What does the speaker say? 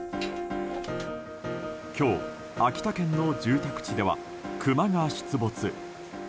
今日、秋田県の住宅地ではクマが出没。